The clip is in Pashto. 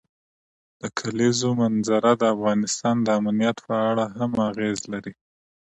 د کلیزو منظره د افغانستان د امنیت په اړه هم اغېز لري.